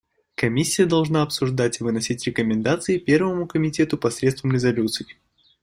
Комиссия должна обсуждать и выносить рекомендации Первому комитету посредством резолюций.